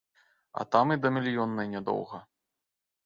А там і да мільённай нядоўга.